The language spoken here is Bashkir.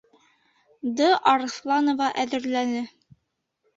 Д. АРЫҪЛАНОВА әҙерләне.